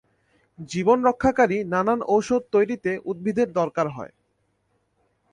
জীবন রক্ষাকারী নানান ঔষধ তৈরিতেও উদ্ভিদের দরকার হয়।